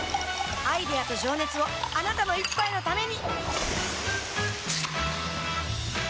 アイデアと情熱をあなたの一杯のためにプシュッ！